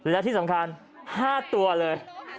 และที่สำคัญ๕ตัวเลย